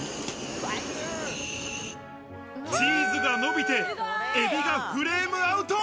チーズが伸びて、エビがフレームアウト。